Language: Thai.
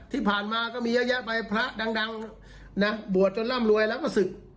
ที่ผ่านมาก็มีเยอะแยะไปพระดังนะบวชจนร่ำรวยแล้วก็ศึก